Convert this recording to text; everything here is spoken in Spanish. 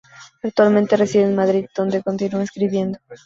Actualmente reside en Madrid, donde continúa escribiendo.